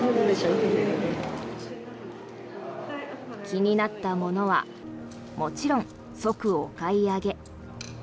気になったものはもちろん即お買い上げ。